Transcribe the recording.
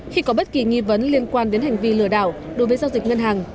khi có bất kỳ nghi vấn liên quan đến hành vi lừa đảo đối với giao dịch ngân hàng